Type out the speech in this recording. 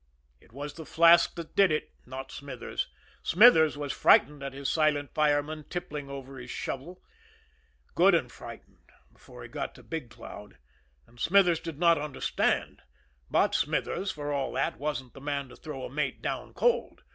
It was the flask that did it, not Smithers. Smithers was frightened at his silent fireman tippling over his shovel, good and frightened before he got to Big Cloud, and Smithers did not understand; but Smithers, for all that, wasn't the man to throw a mate down cold.